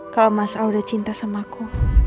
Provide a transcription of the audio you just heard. kalau mas al udah cinta sama aku